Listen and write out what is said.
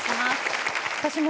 私も。